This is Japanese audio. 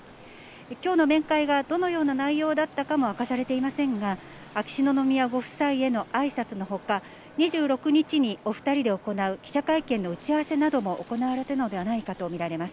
きょうの面会がどのような内容だったかも明かされていませんが、秋篠宮ご夫妻へのあいさつのほか、２６日にお２人で行う記者会見の打ち合わせなども行われたのではないかと見られます。